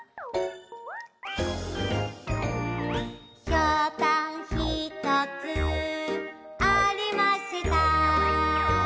「ひょうたんひとつありました」